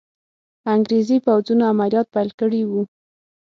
انګریزي پوځونو عملیات پیل کړي وو.